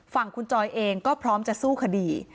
ฝั่งคุณจอยเองก็พร้อมจะสู้คดี